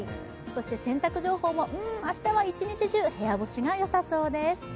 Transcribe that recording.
洗濯情報も、明日は一日中部屋干しがよさそうです。